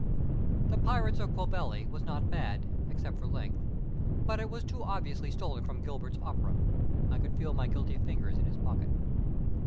The Pirates of Clovelly was not bad, except for length, but it was too obviously stolen from Gilbert's opera. I could feel my guilty fingers in his pocket.